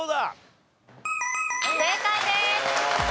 正解です。